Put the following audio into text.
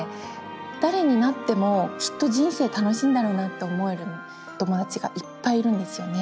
誰になってもきっと人生楽しいんだろうなって思えるお友だちがいっぱいいるんですよね。